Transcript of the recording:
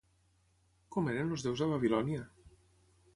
Com eren els déus a Babilònia?